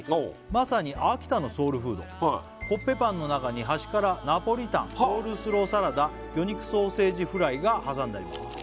「まさに秋田のソウルフード」「コッペパンの中に端からナポリタンコールスローサラダ」「魚肉ソーセージフライが挟んであります」